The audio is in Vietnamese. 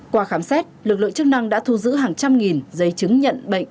qua khám xét lực lượng chức năng đã thu giữ hàng trăm nghìn giấy chứng nhận bệnh